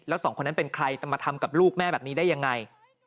แล้วสองคนนั้นเป็นใครจะมาทำกับลูกแม่แบบนี้ได้ยังไง